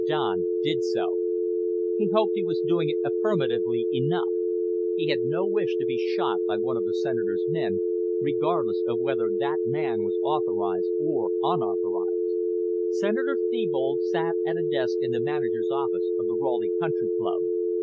Don did so. He hoped he was doing it affirmatively enough. He had no wish to be shot by one of the Senator's men, regardless of whether that man was authorized or unauthorized. Senator Thebold sat at a desk in the manager's office of the Raleigh Country Club.